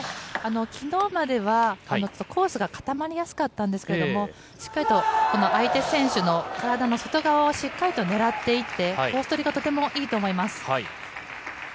昨日までは、コースが固まりやすかったんですが相手選手の体の外側をしっかり狙っていってコース取りがとてもいいと思います。